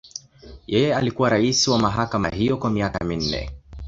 Yeye alikuwa rais wa mahakama hiyo kwa miaka minne.